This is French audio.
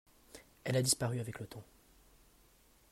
Elle a disparu avec le temps.